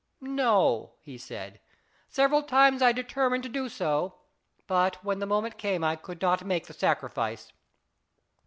" "No/' he said; "several times I determined to do so, but when the moment came I could not make the sacrifice.